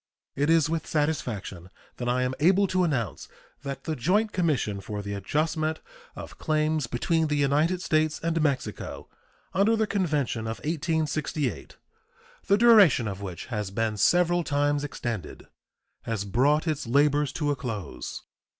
It is with satisfaction that I am able to announce that the joint commission for the adjustment of claims between the United States and Mexico under the convention of 1868, the duration of which has been several times extended, has brought its labors to a close.